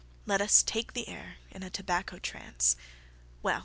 Let us take the air, in a tobacco trance—Well!